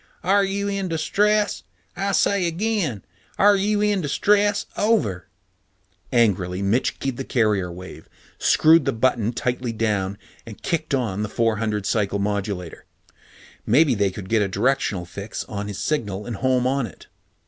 "Are you in distress? I say again. Are you in distress? Over." Angrily Mitch keyed the carrier wave, screwed the button tightly down, and kicked on the four hundred cycle modulator. Maybe they could get a directional fix on his signal and home on it.